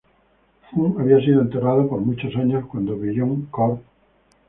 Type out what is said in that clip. Foom había sido enterrado por muchos años; cuando Beyond Corp.